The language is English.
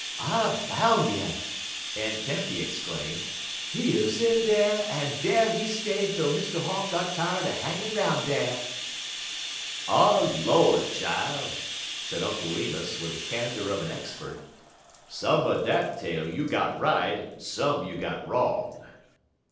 "I boun' you!" Aunt Tempy exclaimed. "He 'uz in dar, en dar he stayed tel Mr. Hawk got tired er hangin' 'roun' dar." "Ah, Lord, chile!" said Uncle Remus, with the candor of an expert, "some er dat tale you got right, en some you got wrong."